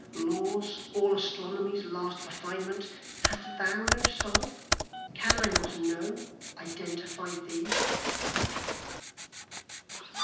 Law's, all Astronomy's last refinement? Hast thou no soul? Can I not know, identify thee?